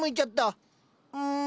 うん。